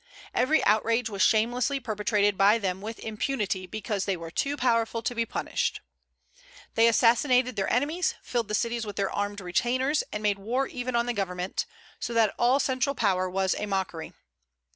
Every outrage was shamelessly perpetrated by them with impunity, because they were too powerful to be punished. They assassinated their enemies, filled the cities with their armed retainers, and made war even on the government; so that all central power was a mockery.